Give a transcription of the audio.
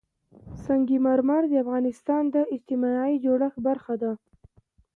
سنگ مرمر د افغانستان د اجتماعي جوړښت برخه ده.